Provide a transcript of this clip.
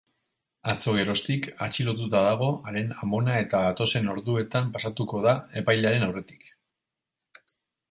Atzo geroztik atxilotuta dago haren amona eta datozen orduetan pasatuko da epailearen aurretik.